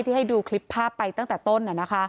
ให้ดูคลิปภาพไปตั้งแต่ต้น